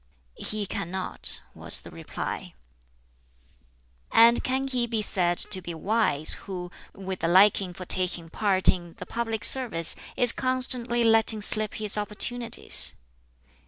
"He cannot," was the reply. "And can he be said to be wise who, with a liking for taking part in the public service, is constantly letting slip his opportunities?"